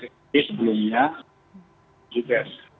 ini sebelumnya jvs